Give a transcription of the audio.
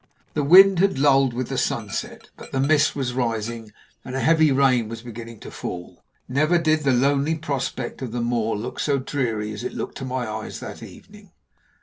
The wind had lulled with the sunset, but the mist was rising, and a heavy rain was beginning to fall. Never did the lonely prospect of the moor look so dreary as it looked to my eyes that evening.